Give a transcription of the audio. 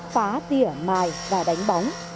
phá tỉa mài và đánh bóng